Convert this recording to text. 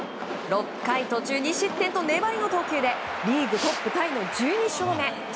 ６回途中２失点と粘りの投球でリーグトップタイの１２勝目。